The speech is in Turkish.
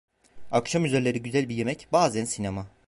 Akşamüzerleri güzel bir yemek, bazan sinema…